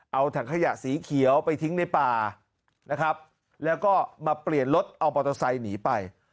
เอาถังขยะสีเขียวไปทิ้งในป่านะครับแล้วก็มาเปลี่ยนรถเอามอเตอร์ไซค์หนีไป